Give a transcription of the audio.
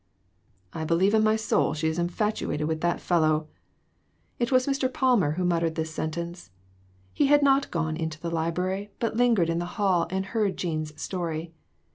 "I believe in my soul she is infatuated with that fellow !" It was Mr. Palmer who muttered this sentence ; he had not gone to the library, but lingered in the hall and heard Jean's story.